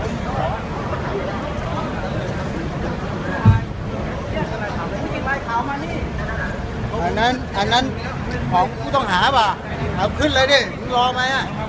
อันนั้นอันนั้นของผู้ต้องหาป่ะเอาขึ้นเลยดิมึงรอไหมอ่ะ